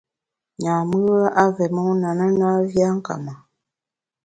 Nyam-ùe i vé mon a na, na vé a nka ma.